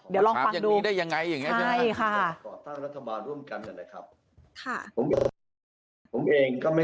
เดี๋ยวลองฟังดู